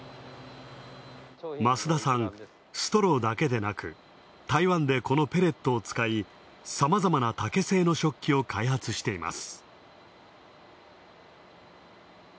増田さん、ストローだけでなく台湾で、このペレットを使い、さまざまな竹製の食器を開発しています。